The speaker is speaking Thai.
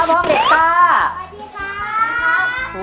สวัสดีครับ